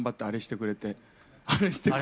あれしてくれて。